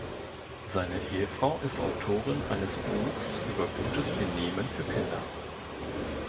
Seine Ehefrau ist Autorin eines Buchs über gutes Benehmen für Kinder.